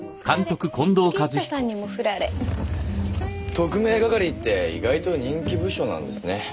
特命係って意外と人気部署なんですね。